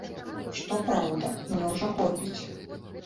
Што праўда, мне ўжо хопіць.